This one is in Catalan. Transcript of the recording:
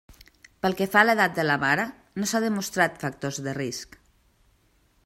Pel que fa a l'edat de la mare no s'ha demostrat factors de risc.